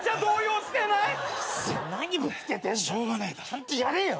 ちゃんとやれよ！